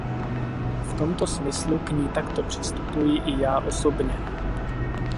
V tomto smyslu k ní takto přistupuji i já osobně.